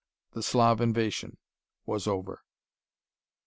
The Slav invasion was over!